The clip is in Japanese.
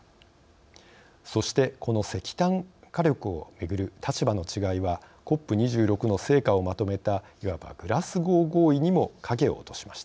そしてこの石炭火力をめぐる立場の違いはＣＯＰ２６の成果をまとめたいわばグラスゴー合意にも影を落としました。